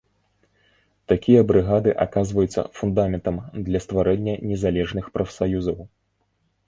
Такія брыгады аказваюцца фундаментам для стварэння незалежных прафсаюзаў.